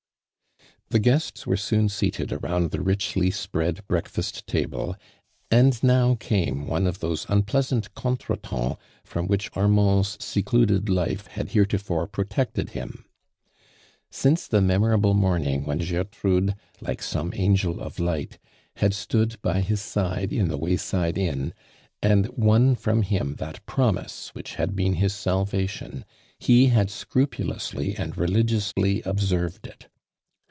The guests were soon seated around the richly spread breakfast table, and now came one of those unpleasant contre temps from which Armand's secluded life had heretofore protected him. Since the me morable morning when (lertrude, like some angel of light, had stood by his side in the way side inn, and won from him that pro mise which had been his salvation, he nad scrupulously and religiously observed it.